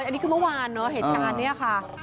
อันนี้คือเมื่อวานเนอะเหตุการณ์นี้ค่ะ